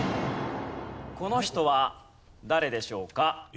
この人は誰でしょうか？